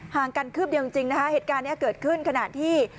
ห่างกันคืบเดียวจริงนะคะเหตุการณ์นี้เกิดขึ้นขณะที่